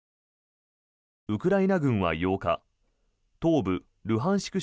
ウクライナ軍は８日東部ルハンシク